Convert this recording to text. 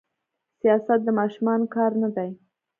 سياست د ماشومانو کار نه دي.